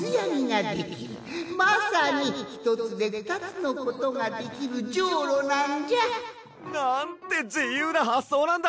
まさにひとつでふたつのことができるじょうろなんじゃ」。なんてじゆうなはっそうなんだ！